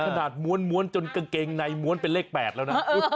ม้วนจนกางเกงในม้วนเป็นเลข๘แล้วนะ